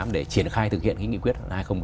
để triển khai thực hiện cái nghị quyết